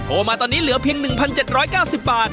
มาตอนนี้เหลือเพียง๑๗๙๐บาท